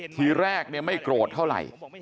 ทีแรกไม่โกรธเท่าไหร่